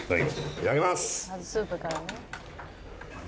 いただきます。